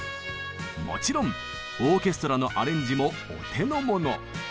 もちろんオーケストラのアレンジもお手の物。